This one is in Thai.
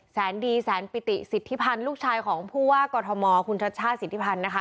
แสนดีแสนปิติสิทธิพันธ์ลูกชายของผู้ว่ากอทมคุณชัชชาติสิทธิพันธ์นะคะ